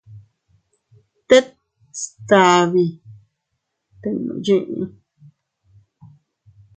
Tet stabi tinnu yiʼi.